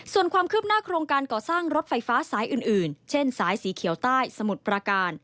ส่วนความคืบหน้าโครงการก่อสร้างรถไฟฟ้าสายอื่นเช่นสายสีเขียวใต้สมุทรประการ